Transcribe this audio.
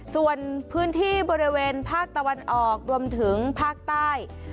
ส่วนพื้นที่บริเวณภาคตะวันออกรวมถึงภาคใต้